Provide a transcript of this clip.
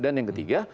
dan yang ketiga